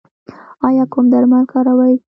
ایا کوم درمل کاروئ؟